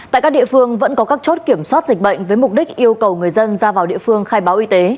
tại các địa phương vẫn có các chốt kiểm soát dịch bệnh với mục đích yêu cầu người dân ra vào địa phương khai báo y tế